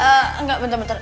eh enggak bentar bentar